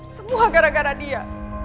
semua gara gara dia